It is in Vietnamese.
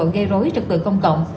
gây rối trật tự công cộng